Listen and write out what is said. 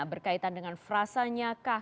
berkaitan dengan frasanya kah